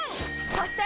そして！